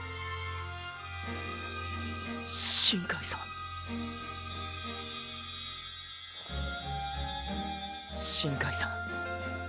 新開さん新開さん！！